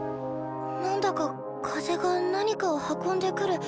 何だか風が何かを運んでくる。